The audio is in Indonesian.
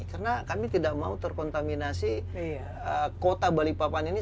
karena kami tidak mau terkontaminasi kota balikpapan ini